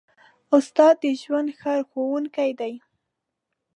استاد د ژوند ښه ښوونکی دی.